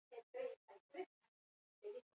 Baina egun hauetan, nola suspertu?